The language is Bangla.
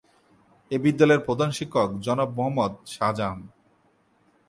এ বিদ্যালয়ের প্রধান শিক্ষক জনাব মোহাম্মদ শাহজাহান।